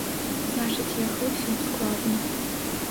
Значыць, я хлусіў складна.